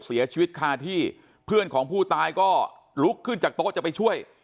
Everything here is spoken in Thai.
เสียชีวิตคาที่เพื่อนของผู้ตายก็ลุกขึ้นจากโต๊ะจะไปช่วย